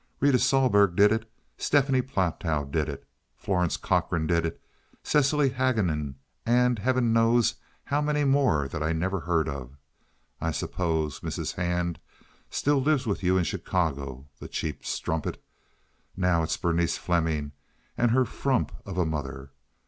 Rita Sohlberg did it; Stephanie Platow did it; Florence Cochrane did it; Cecily Haguenin—and Heaven knows how many more that I never heard of. I suppose Mrs. Hand still lives with you in Chicago—the cheap strumpet! Now it's Berenice Fleming and her frump of a mother.